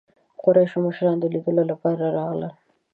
قریشو مشران د لیدلو لپاره راغلل.